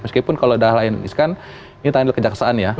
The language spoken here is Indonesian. meskipun kalau ada yang lain ini kan tangan dari kejaksaan ya